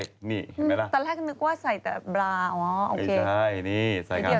ตอนแรกนึกว่าใส่แต่บลา